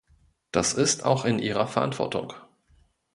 Das ist auch in Ihrer Verantwortung.